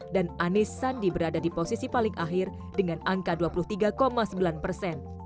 dan anis sandi berada di posisi paling akhir dengan angka dua puluh tiga sembilan persen